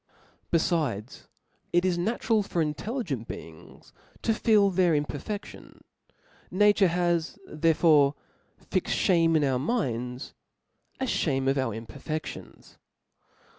Befldcs, it is natural for intelligent beings to feel their ithperfediDns. Nature has therefore fixed Ihame in our minds, a (hame of our imperfedlions.